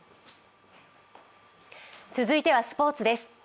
続いてはスポーツです。